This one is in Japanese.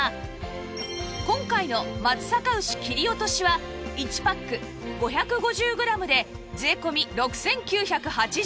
今回の松阪牛切り落としは１パック５５０グラムで税込６９８０円